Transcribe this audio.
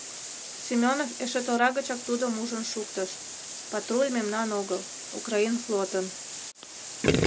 Семёнов эше тора гычак тудым ужын шуктыш: патруль мемнан огыл — украин флотын.